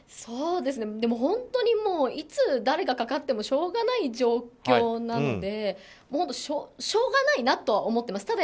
でも本当にいつ誰がかかってもしょうがない状況なのでしょうがないなとは思ってます。